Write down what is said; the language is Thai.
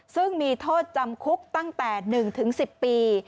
ซึ่งมีโทษจำคุกตั้งแต่๑๑๐ปี